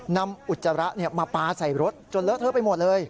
อุจจาระมาปลาใส่รถจนเลอะเทอะไปหมดเลย